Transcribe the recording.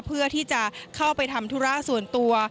เพื่อที่จะเข้าไปทำธุระส่วนตัว